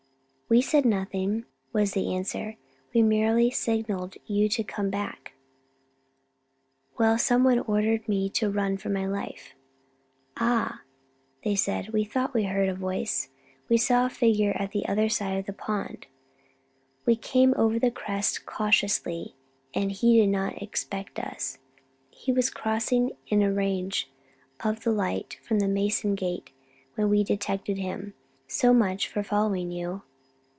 "We said nothing," was the answer; "we merely signalled you to come back." "Well, someone ordered me to run for my life." "Ah!" said they. "We thought we heard a voice. We saw a figure at the other side of the pond. We came over the crest cautiously, and he did not expect us. He was crossing in range of the light from the Mansion gate when we detected him. So much for following you!"